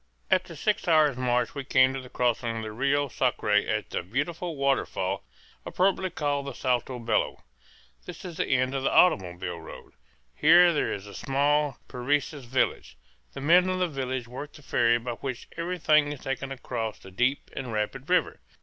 After six hours' march we came to the crossing of the Rio Sacre at the beautiful waterfall appropriately called the Salto Bello. This is the end of the automobile road. Here there is a small Parecis village. The men of the village work the ferry by which everything is taken across the deep and rapid river.